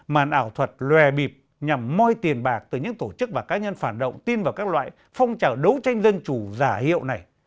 màn ảo thuật lòe bịp nhằm moi tiền bạc từ những tổ chức và cá nhân phản động tin vào các loại phong trào đấu tranh dân chủ giả hiệu này